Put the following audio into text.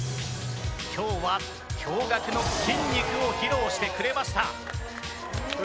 今日は驚愕の筋肉を披露してくれました。